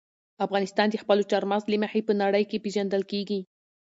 افغانستان د خپلو چار مغز له مخې په نړۍ کې پېژندل کېږي.